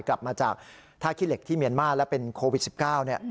กลับมาจากท่าขี้เหล็กที่เมียนมาร์และเป็นโควิด๑๙เนี่ย